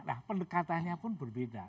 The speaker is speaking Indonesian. nah pendekatannya pun berbeda